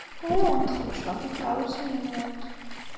Ur awent-xebbceɣ tikeṛṛusin-nwent.